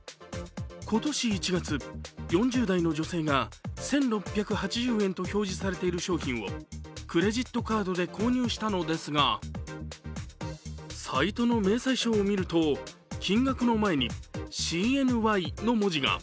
今年１月、４０代の女性が１６８０円と表示されている商品をクレジットカードで購入したのですがサイトの明細書を見ると金額の前にＣＮＹの文字が。